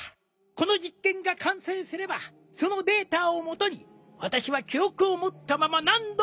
この実験が完成すればそのデータをもとに私は記憶を持ったまま何度も生まれ変わる。